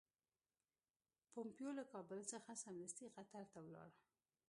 پومپیو له کابل څخه سمدستي قطر ته ولاړ.